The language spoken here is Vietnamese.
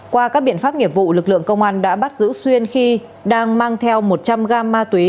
qua các biện pháp nghiệp vụ lực lượng công an đã bắt giữ xuyên khi đang mang theo một trăm linh gam ma túy